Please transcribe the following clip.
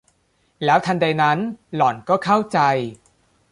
แล้วทันใดนั้นหล่อนก็เข้าใจ